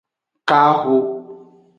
Kaho.